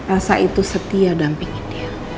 elsa itu setia dan pingin dia